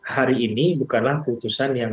hari ini bukanlah putusan yang